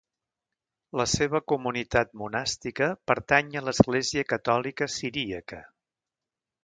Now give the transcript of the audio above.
La seva comunitat monàstica pertany a l'Església Catòlica Siríaca.